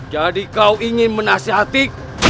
jadi kau ingin menasihati